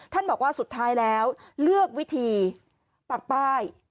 บอกว่าสุดท้ายแล้วเลือกวิธีปักป้าย